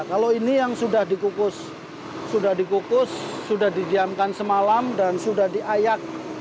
kalau ini yang sudah dikukus sudah didiamkan semalam dan sudah diayak